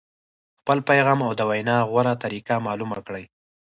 خپل پیغام او د وینا غوره طریقه معلومه کړئ.